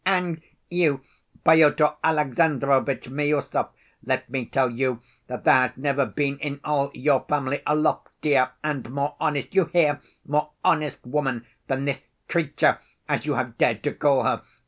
"And you, Pyotr Alexandrovitch Miüsov, let me tell you that there has never been in all your family a loftier, and more honest—you hear—more honest woman than this 'creature,' as you have dared to call her!